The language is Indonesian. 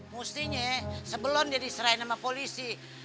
mestinya sebelum dia diserahin sama polisi